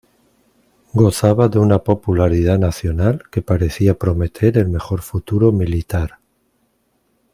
Gozaba de una popularidad nacional, que parecía prometer el mejor futuro militar.